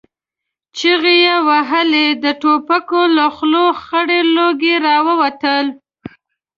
چيغې يې وهلې، د ټوپکو له خولو خړ لوګي را وتل.